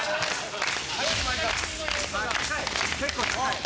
結構高い。